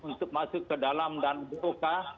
untuk masuk ke dalam dan buka